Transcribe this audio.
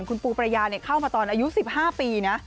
คุณปูประยาเข้ามาตอนอายุ๑๕ปีนะ